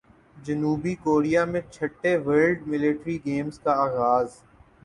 جنوبی کوریا میں چھٹے ورلڈ ملٹری گیمز کا اغاز